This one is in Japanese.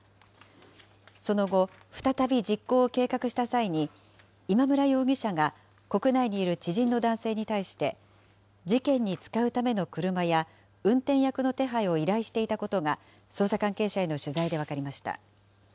その後、再び実行を計画した際に、今村容疑者が国内にいる知人の男性に対して、事件に使うための車や、運転役の手配を依頼していたことが、捜査関係者への取材で分かりました。